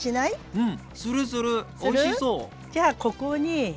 うん。